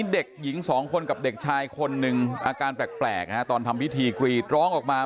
เด็กหญิง๒คนกับเด็กชายคนหนึ่งอาการแปลกตอนทำพิธีกรีดร้องออกมา